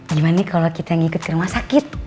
gimana nih kalo kita ngikut ke rumah sakit